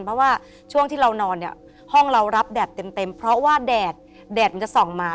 เพราะว่าช่วงที่เรานอนเนี่ยห้องเรารับแดดเต็มเพราะว่าแดดแดดมันจะส่องมา